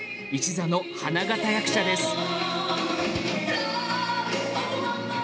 一座の花形役者です。